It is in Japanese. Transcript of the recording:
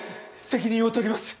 責任を取ります